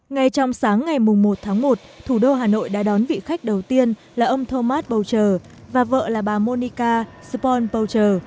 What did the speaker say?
ngay trong sáng ngày một một thủ đô hà nội đã đón vị khách đầu tiên là ông thomas boucher và vợ là bà monica sporn boucher